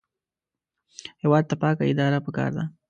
هېواد ته پاکه اداره پکار ده